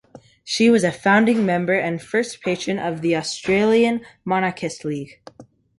She was a founding member and first patron of the Australian Monarchist League.